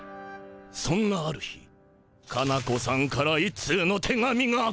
そんなある日カナ子さんから一通の手紙が。